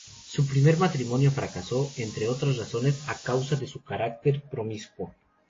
Su primer matrimonio fracasó, entre otras razones a causa de su carácter promiscuo.